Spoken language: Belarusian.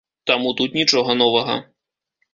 Таму тут нічога новага.